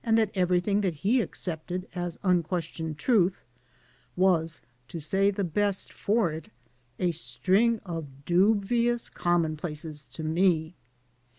that everything that he accepted as unquestioned truth was, to say the best for it, a string of dubious common places to me.